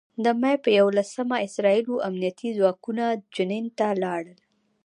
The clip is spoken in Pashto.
د مې په یوولسمه اسراييلي امنيتي ځواکونه جنین ته لاړل.